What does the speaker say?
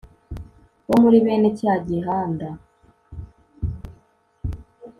wo muri bene cya gihanda